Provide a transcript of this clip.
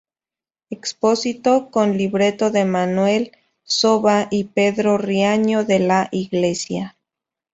Expósito, con libreto de Manuel Soba y Pedro Riaño de la Iglesia.